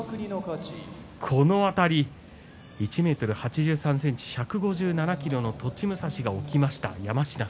このあたり１ｍ８３ｃｍ１５７ｋｇの栃武蔵が起きました。